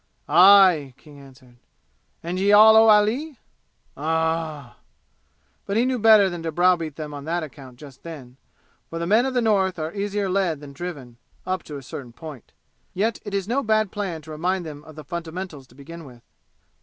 "Aye!" King answered. "And ye all owe Ali!" "Uh h h h h!" But he knew better than to browbeat them on that account just then, for the men of the North are easier led than driven up to a certain point. Yet it is no bad plan to remind them of the fundamentals to begin with.